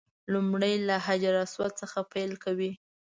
لومړی له حجر اسود څخه پیل کوي.